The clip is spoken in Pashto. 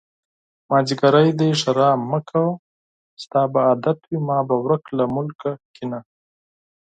مازديګری دی ښېرې مکړه ستا به عادت وي ما به ورک له ملکه کړينه